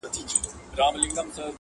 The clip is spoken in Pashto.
• خو باید وي له رمې لیري ساتلی -